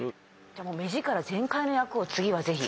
でも目力全開の役を次は是非。